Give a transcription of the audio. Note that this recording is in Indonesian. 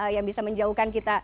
yang bisa menjauhkan kita